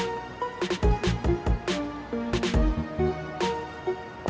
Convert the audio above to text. oke so gak ada pertanyaan lagi kan